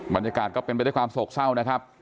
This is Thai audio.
บรรยากาศก็เป็นไปด้วยความโศกเศร้านะครับ